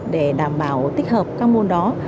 để đảm bảo tích hợp các môn đó